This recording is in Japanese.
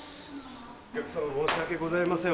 お客様申し訳ございません